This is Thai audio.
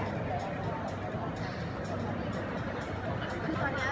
พี่แม่ที่เว้นได้รับความรู้สึกมากกว่า